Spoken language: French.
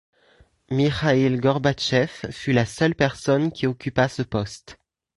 Mikhaïl Gorbatchev fut la seule personne qui occupa ce poste.